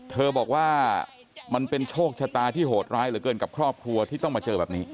เธอบอกว่ามันเป็นโชคชะตาที่โหดร้ายเหลือเกินกับครอบครัวที่ต้องมาเจอแบบนี้